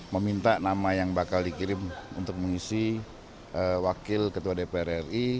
meminta nama yang bakal dikirim untuk mengisi wakil ketua dpr ri